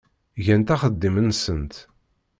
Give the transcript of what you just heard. Gant axeddim-nsent.